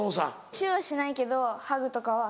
チュはしないけどハグとかはします。